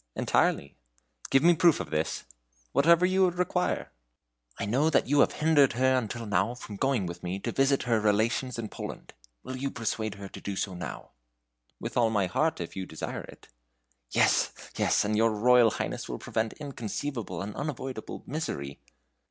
"Entirely." "Give me a proof of this?" "Whatever you require." "I know you have hindered her until now from going with me to visit her relations in Poland. Will you persuade her to do so now?" "With all my heart, if you desire it." "Yes, yes! and your Royal Highness will prevent inconceivable and unavoidable misery."